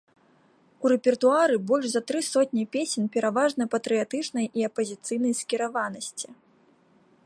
У рэпертуары больш за тры сотні песень пераважна патрыятычнай і апазіцыйнай скіраванасці.